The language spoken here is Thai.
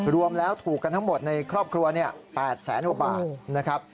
รวมแล้วถูกกันทั้งหมดในครอบครัว๘แสนกว่าบาทนะครับ